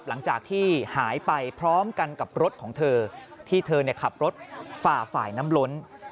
หลังจากที่หายไปพร้อมกันกับรถของเธอที่เธอขับรถฝ่าฝ่ายน้ำล้น